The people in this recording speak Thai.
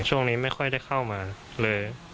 ช่วงนี้ไม่ค่อยได้เข้ามาเลย